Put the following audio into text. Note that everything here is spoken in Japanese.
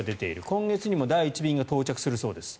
今月にも第１便が到着するそうです。